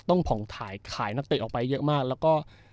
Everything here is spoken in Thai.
ต้องผ่องขายนักเตะออกไปเยอะมาก